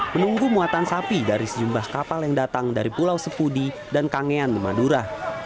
menunggu muatan sapi dari sejumlah kapal yang datang dari pulau sepudi dan kangean di madura